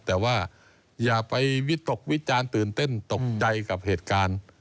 แต่ว่าอย่าไปวิตกวิจารณ์ตื่นเต้นตกใจกับเหตุการณ์